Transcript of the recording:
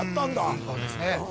そうですね。